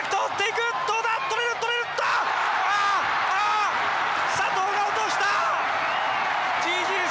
Ｇ．Ｇ．佐藤が落とした！